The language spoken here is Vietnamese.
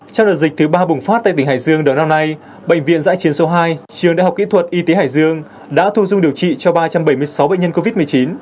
trong đợt dịch thứ ba bùng phát tại tỉnh hải dương đầu năm nay bệnh viện giã chiến số hai trường đại học kỹ thuật y tế hải dương đã thu dung điều trị cho ba trăm bảy mươi sáu bệnh nhân covid một mươi chín